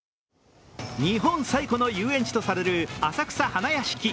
日本最古の遊園地とされる浅草花やしき。